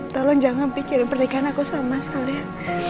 tolong jangan pikirin pernikahan aku sama sekalian